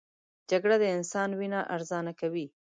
جګړه د انسان وینه ارزانه کوي